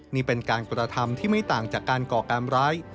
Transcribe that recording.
นี่เป็นการกระทำที่ไม่ต่างจากการก่อการร้าย